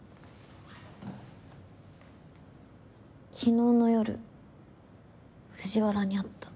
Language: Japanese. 昨日の夜藤原に会った。